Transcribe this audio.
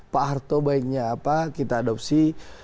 pak harto baiknya apa kita adopsi